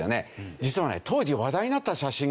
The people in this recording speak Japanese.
実はね当時話題になった写真があるんですよ。